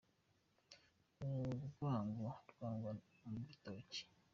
Urwagwa rwengwa mu bitoki.